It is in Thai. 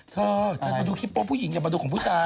เธอเธอมาดูคลิปโป้ผู้หญิงอย่ามาดูของผู้ชาย